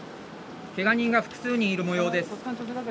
けが人が複数にいる模様です